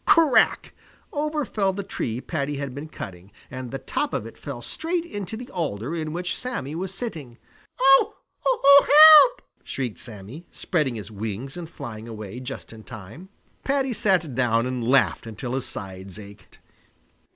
Crack! Over fell the tree Paddy had been cutting and the top of it fell straight into the alder in which Sammy was sitting. "Oh! Oh! Help!" shrieked Sammy, spreading his wings and flying away just in time. Paddy sat down and laughed until his sides ached.